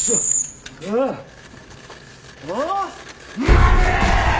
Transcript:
待て！